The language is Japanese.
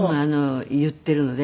言っているので。